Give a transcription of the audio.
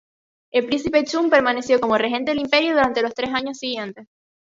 El príncipe Chun permaneció como regente del imperio durante los tres años siguientes.